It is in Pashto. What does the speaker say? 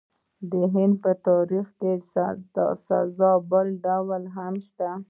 د هند په تاریخ کې د سزا بل ډول هم شته.